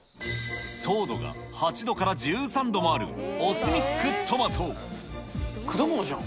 糖度が８度から１３度もある果物じゃん。